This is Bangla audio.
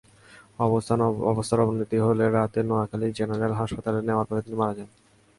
অবস্থার অবনতি হলে রাতে নোয়াখালী জেনারেল হাসপাতালে নেওয়ার পথে তিনি মারা যান।